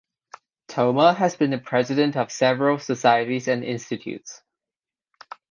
Thoma has been the president of several societies and institutes.